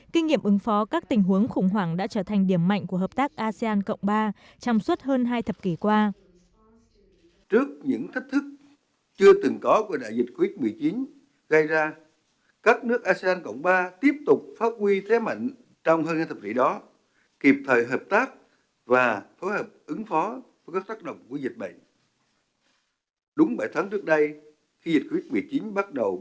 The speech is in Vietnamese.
kinh nghiệm ứng phó các tình huống khủng hoảng đã trở thành điểm mạnh của hợp tác asean cộng ba trong suốt hơn hai thập kỷ qua